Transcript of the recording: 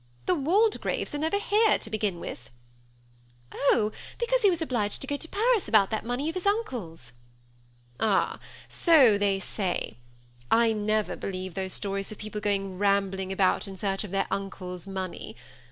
The Waldegraves are never here, to begin with." ^ Oh, because he was obliged to go to Paris about that money of his uncle's." " Ah ! so they say ; I never believe those stories of people going rambling about in search of their uncle's money.